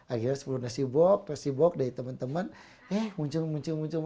akhirnya sepuluh nasibok sepuluh nasibok dari teman teman eh muncul muncul muncul